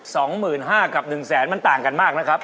สองหมื่นห้ากับหนึ่งแสนมันต่างกันมากนะครับ